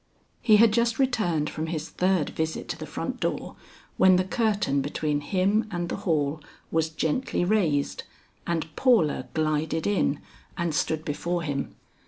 He had just returned from his third visit to the front door, when the curtain between him and the hall was gently raised, and Paula glided in and stood before him.